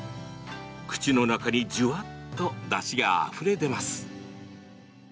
口の中に、じゅわっとだしがあふれ出ます。